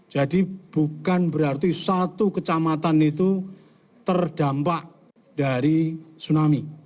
jadi bukan berarti satu kecamatan itu terdampak dari tsunami